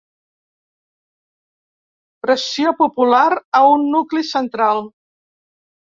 Pressió popular a un nucli central.